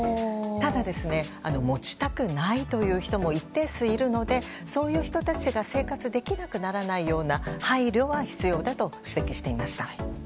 ただ、持ちたくないという人も一定数いるのでそういう人たちが生活できなくならないような配慮は必要だと指摘していました。